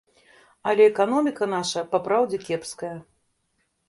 Але эканоміка наша папраўдзе кепская.